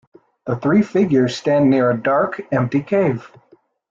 The three figures stand near a dark empty cave.